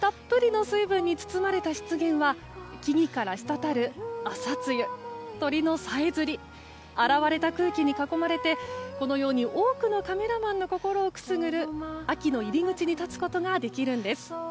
たっぷりの水分に包まれた湿原は木々から滴る朝露、鳥のさえずり現れた空気に囲まれてこのように多くのカメラマンの心をくすぐる秋の入り口に立つことができるんです。